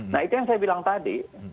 nah itu yang saya bilang tadi